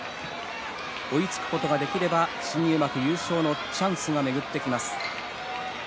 追いつくことができれば新入幕優勝のチャンスが巡ってきます。